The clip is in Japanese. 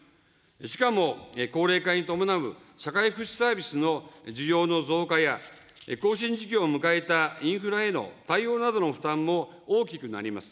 しかも高齢化に伴う社会福祉サービスの需要の増加や、更新時期を迎えたインフラへの対応などの負担も大きくなります。